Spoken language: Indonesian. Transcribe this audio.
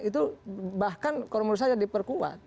itu bahkan kalau menurut saya diperkuat